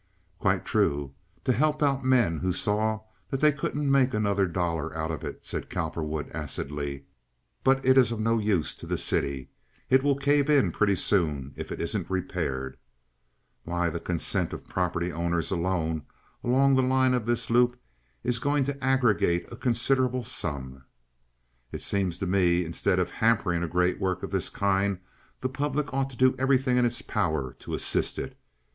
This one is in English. "Quite true—to help out men who saw that they couldn't make another dollar out of it," said Cowperwood, acidly. "But it's of no use to the city. It will cave in pretty soon if it isn't repaired. Why, the consent of property owners alone, along the line of this loop, is going to aggregate a considerable sum. It seems to me instead of hampering a great work of this kind the public ought to do everything in its power to assist it.